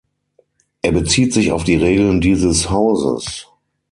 Er bezieht sich auf die Regeln dieses Hauses.